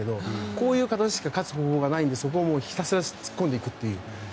こういう形しか勝つ方法がないので、そこをひたすら突っ込んでいくという。